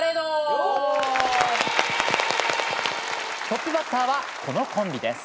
トップバッターはこのコンビです。